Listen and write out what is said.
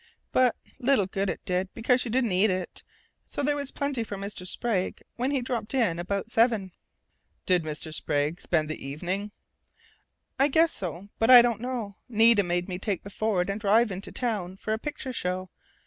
But little good it did, because she didn't eat it, so there was plenty for Mr. Sprague when he dropped in about seven." "Did Sprague spend the evening?" "I guess so, but I don't know. Nita made me take the Ford and drive into town for a picture show.